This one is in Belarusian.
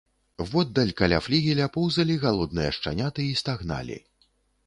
Воддаль, каля флігеля, поўзалі галодныя шчаняты і стагналі.